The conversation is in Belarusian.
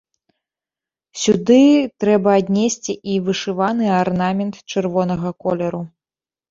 Сюды трэба аднесці і вышываны арнамент чырвонага колеру.